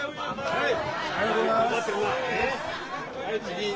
はい。